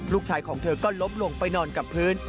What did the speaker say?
ลูกชายของเธอก็ล้มลงไปนอนกับพื้น